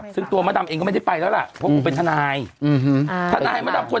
ซึ่งตัวมดำเองก็ไม่ได้ไปแล้วล่ะเพราะเป็นทันายทันายบางคน